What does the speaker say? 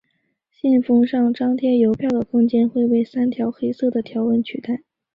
信封上张贴邮票的空间会被三条黑色的条纹取代。